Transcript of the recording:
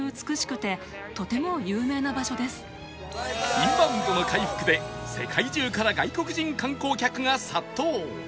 インバウンドの回復で世界中から外国人観光客が殺到